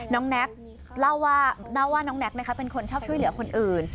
แน็กเล่าว่าน้องแน็กเป็นคนชอบช่วยเหลือคนอื่น